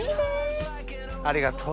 ありがとう。